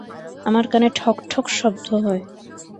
আমার কানে ঠক ঠক শব্দ হয়।